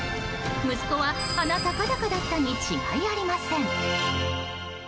息子は鼻高々だったに違いありません。